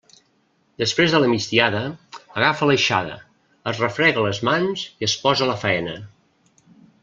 Després de la migdiada, agafa l'aixada, es refrega les mans i es posa a la faena.